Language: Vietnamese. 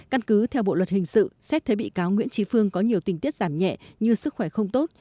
căn cứ theo bộ luật hình sự xét thế bị cáo nguyễn trí phương có nhiều tình tiết giảm nhẹ như sức khỏe không tốt